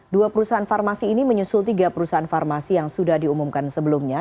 dua perusahaan farmasi ini menyusul tiga perusahaan farmasi yang sudah diumumkan sebelumnya